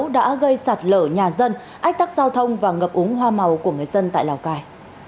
đã gây sạt lở nhà dân ách tắc giao thông và ngập úng hoa màu của người dân tại lào cai